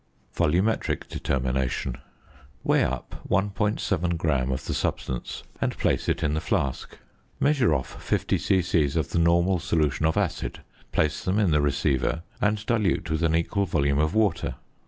VOLUMETRIC DETERMINATION. Weigh up 1.7 gram of the substance and place it in the flask. Measure off 50 c.c. of the normal solution of acid, place them in the receiver, and dilute with an equal volume of water.